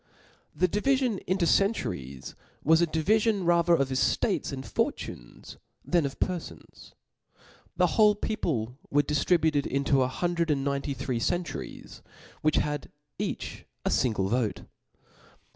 The divifion into centuries was a divifion rather of eftates and fortunes, than of pcrfons. The whole people were diftributed into a hundred and C) See Li ninety three centuries (*), which had each a fingte x?andDio vote.